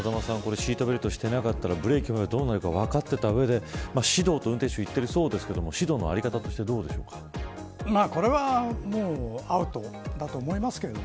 シートベルトしていなかったらブレーキをかけるとどうなるか分かった上で、指導と運転手は言っているそうですが指導の在り方としてこれはもうアウトだと思いますけど。